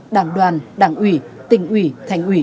đảng đoàn đảng ủy tình ủy thành ủy